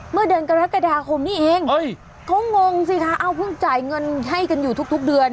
เมื่อเดือนกรกฎาคมนี้เองเขางงสิคะเอ้าเพิ่งจ่ายเงินให้กันอยู่ทุกเดือน